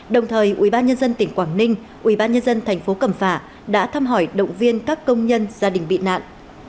đồng thời ubnd tỉnh quảng ninh ubnd tp cẩm phả đã thăm hỏi động viên các công nhân gia đình bị nạn